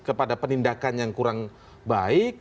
kepada penindakan yang kurang baik